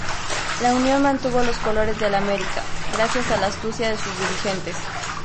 La unión mantuvo los colores del America, gracias a la astucia de sus dirigentes.